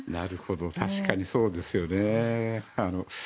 確かにそうですよね。